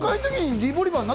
リボリバーなの？